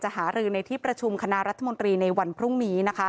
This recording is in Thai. หารือในที่ประชุมคณะรัฐมนตรีในวันพรุ่งนี้นะคะ